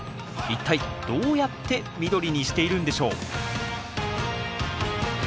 一体どうやって緑にしているんでしょう？